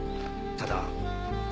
ただ？